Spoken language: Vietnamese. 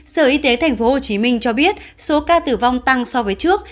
sở y tế tp hcm cho biết số ca tử vong tăng so với trước